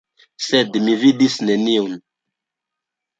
Sed mi vidis neniun.